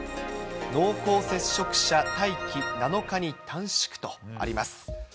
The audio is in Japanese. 濃厚接触者待機７日に短縮とあります。